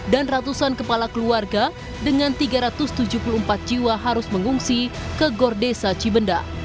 dan ratusan kepala keluarga dengan tiga ratus tujuh puluh empat jiwa harus mengungsi ke gor desa cibenda